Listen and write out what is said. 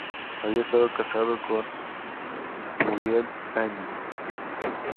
Había estado casado con Muriel Anne Randell-Brown.